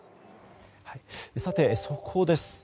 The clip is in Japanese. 速報です。